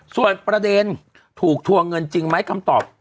ส่วนประเด็นถูกทวงเงินจริงไหมคำตอบ